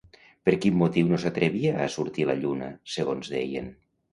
Per quin motiu no s'atrevia a sortir la lluna, segons deien?